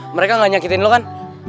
mereka ga nyakitin lo kan